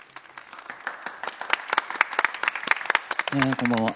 こんばんは。